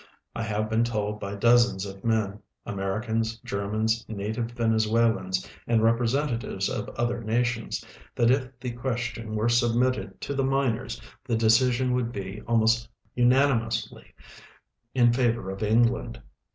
I have l^een told by dozens of men — .Americans, Germans, natiA'c Venezuelans, and representatives of other nations — that if the <|Uestion Avere subnutted to the miners the decision Avould lu? almost unanimously in favor of England.